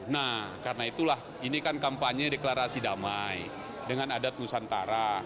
nah karena itulah ini kan kampanye deklarasi damai dengan adat nusantara